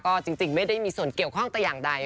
ก็จริงไม่ได้มีส่วนเกี่ยวข้องแต่อย่างใด